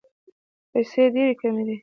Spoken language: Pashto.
پیسې ډېري کمي دي.